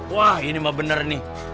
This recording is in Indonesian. wah ini mah bener nih